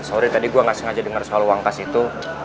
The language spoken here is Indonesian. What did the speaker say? sorry tadi gue gak sengaja dengar soal uang kas itu